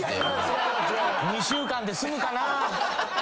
２週間で済むかな。